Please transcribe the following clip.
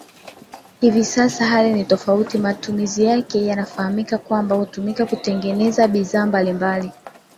Hivi sasa hali ni tofauti matumizi yake yanafahamika kwamba hutumika kutengeneza bidhaa mbali mbali